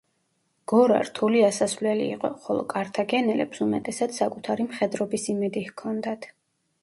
გორა რთული ასასვლელი იყო, ხოლო კართაგენელებს უმეტესად საკუთარი მხედრობის იმედი ჰქონდათ.